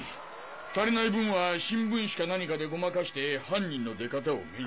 足りない分は新聞紙か何かでごまかして犯人の出方を見る。